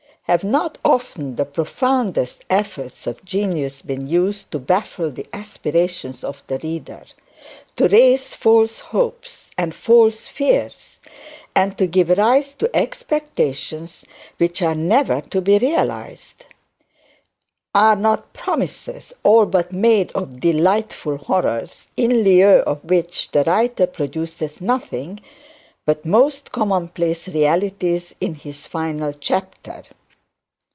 Have not often the profoundest efforts of genius been used to baffle the aspirations of the reader, to raise false hopes and false fears, and to give rise to expectations which are never realised? Are not promises all but made of delightful horrors, in lieu of which the writer produces nothing but commonplace realities in his final chapter?